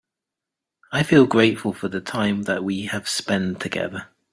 I feel grateful for the time that we have spend together.